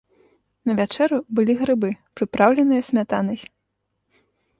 На вячэру былі грыбы, прыпраўленыя смятанай.